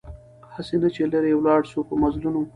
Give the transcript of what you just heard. هسي نه چي لیري ولاړ سو په مزلونو